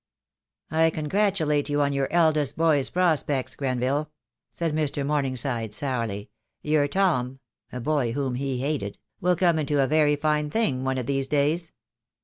"I congratulate you on your eldest boy's prospects, Grenville," said Mr. Morningside, sourly. "Your Tom," a boy whom he hated, "will come into a very fine thing one of these days."